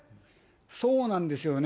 そうなんですよね。